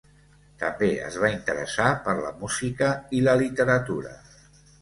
També es va interessar per la música i la literatura.